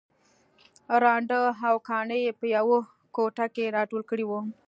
ړانده او کاڼه يې په يوه کوټه کې راټول کړي وو